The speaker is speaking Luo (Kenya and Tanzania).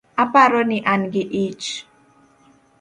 Aparo ni an gi ich